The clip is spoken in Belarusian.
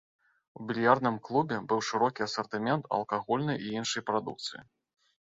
У більярдным клубе быў шырокі асартымент алкагольнай і іншай прадукцыі.